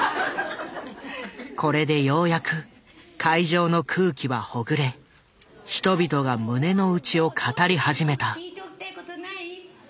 これでようやく会場の空気はほぐれ人々が胸の内を語り始めた。